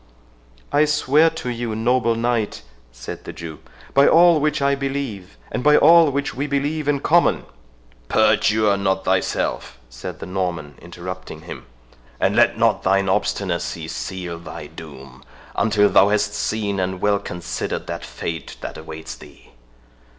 "I swear to you, noble knight," said the Jew "by all which I believe, and by all which we believe in common— " "Perjure not thyself," said the Norman, interrupting him, "and let not thine obstinacy seal thy doom, until thou hast seen and well considered the fate that awaits thee.